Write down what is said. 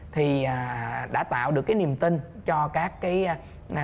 thì đã tạo được cái niềm tin cho các cái chính trị gia ở việt nam